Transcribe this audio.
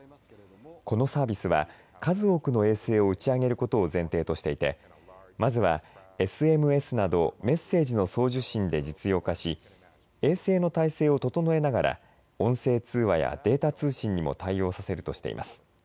このサービスは数多くの衛星を打ち上げることを前提としていてまずはＳＭＳなどメッセージの送受信で実用化し衛星の体制を整えながら音声通話やデータ通信にも対応させるとしています。